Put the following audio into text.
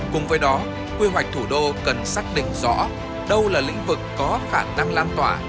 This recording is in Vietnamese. cùng với đó quy hoạch thủ đô cần xác định rõ đâu là lĩnh vực có khả năng lan tỏa